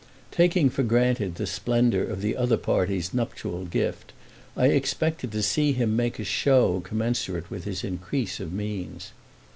Taking for granted the splendour of the other party's nuptial gift, I expected to see him make a show commensurate with his increase of means.